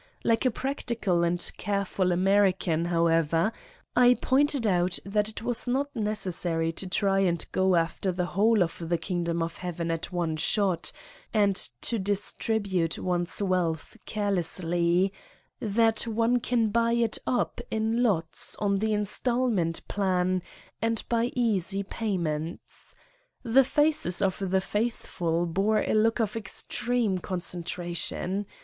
Like a prac tical and careful American, however, I pointed out that it was not necessary to try and go after the whole of the kingdom of Heaven at one shot and to distribute one 's wealth carelessly ; that one can buy it up in lots on the instalment plan and by easy payments. The faces of the faithful bore a look of extreme concentration.